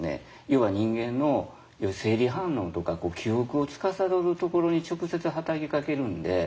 要は人間の生理反応とか記憶をつかさどるところに直接働きかけるんで。